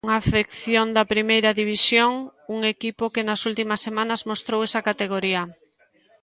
Unha afección de Primeira División, un equipo que nas últimas semanas mostrou esa categoría.